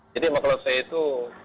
jadi maklum saya itu